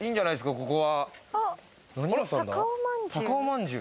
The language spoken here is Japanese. ここは。